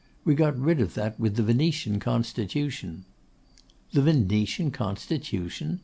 We got rid of that with the Venetian Constitution.' 'The Venetian Constitution!